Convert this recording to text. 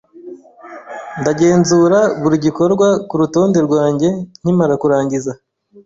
Ndagenzura buri gikorwa kurutonde rwanjye nkimara kurangiza.